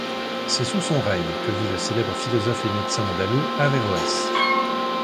C'est sous son règne que vit le célèbre philosophe et médecin andalou Averroès.